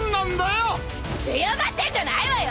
強がってんじゃないわよ！